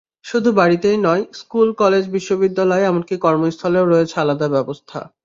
শুধু বাড়িতেই নয়, স্কুল, কলেজ, বিশ্ববিদ্যালয় এমনকি কর্মস্থলেও রয়েছে আলাদা ব্যবস্থা।